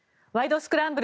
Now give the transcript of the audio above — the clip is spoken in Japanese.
スクランブル」